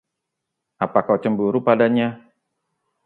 Apa kau cemburu padanya?